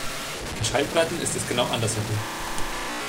Bei Schallplatten ist es genau andersherum.